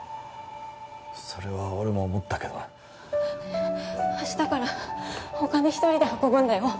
それは俺も思ったけど明日からお金一人で運ぶんだよ